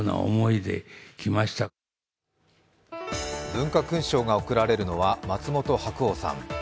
文化勲章が贈られるのは松本白鸚さん。